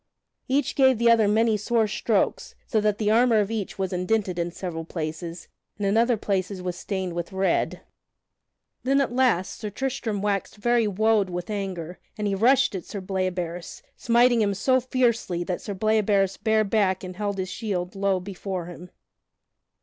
Each gave the other many sore strokes, so that the armor of each was indented in several places and in other places was stained with red. Then at last Sir Tristram waxed very wode with anger and he rushed at Sir Bleoberis, smiting him so fiercely that Sir Bleoberis bare back and held his shield low before him.